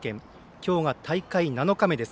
きょうが大会７日目です。